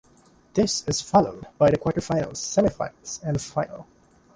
This is followed by the quarterfinals, semifinals, and final.